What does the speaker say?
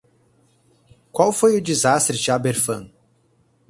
Qual foi o desastre de Aberfan?